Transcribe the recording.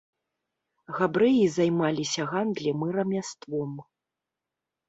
Габрэі займаліся гандлем і рамяством.